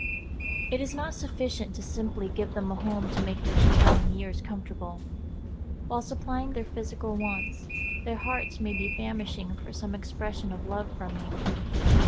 It is not sufficient to simply give them a home to make their declining years comfortable. While supplying their physical wants, their hearts may be famishing for some expression of love from you.